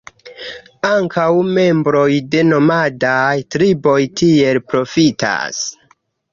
Ankaŭ membroj de nomadaj triboj tiel profitas.